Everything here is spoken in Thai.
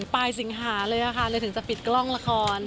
ปลายสิงหาเลยค่ะเลยถึงจะปิดกล้องละคร